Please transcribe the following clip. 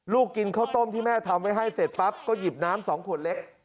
กินข้าวต้มที่แม่ทำไว้ให้เสร็จปั๊บก็หยิบน้ำ๒ขวดเล็ก